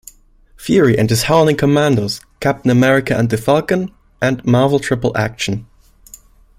Fury and his Howling Commandos", "Captain America and the Falcon", and "Marvel Triple Action".